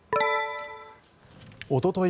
おととい